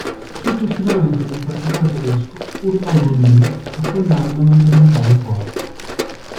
Successivamente un incrociatore tedesco urtò due mine, affondando mentre rientrava in porto.